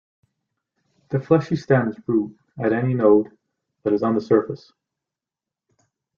The fleshy stems root at any node that is on the surface.